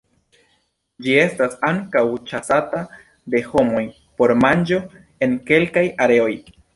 Ĝi estas ankaŭ ĉasata de homoj por manĝo en kelkaj areoj.